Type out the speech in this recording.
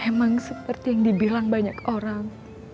emang seperti yang dibilang banyak orang